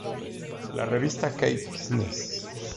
La revista "Cape Business.